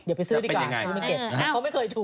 จะเป็นยังไง